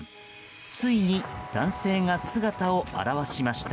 ついに男性が姿を現しました。